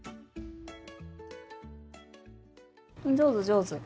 上手上手。